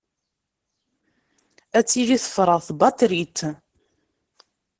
Ad tili tefreɣ tbaṭrit.